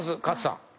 勝さん。